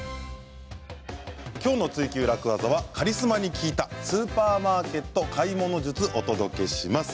今日の「ツイＱ楽ワザ」はカリスマに聞いたスーパーマーケット買い物術をお届けします。